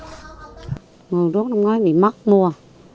ruốc năm ngoái bị mất mua